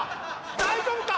大丈夫か？